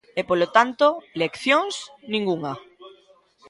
E, polo tanto, leccións, ningunha.